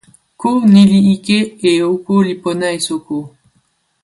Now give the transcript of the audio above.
ko ni li ike e oko li pona e soko.